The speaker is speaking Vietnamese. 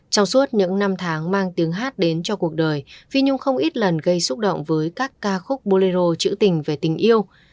trong suốt những năm tháng mang tiếng hát đến cho cuộc đời phi nhung không ít lần gây xúc động với các ca khúc bolero chữ tình về tình yêu